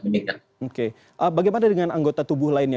oke bagaimana dengan anggota tubuh lainnya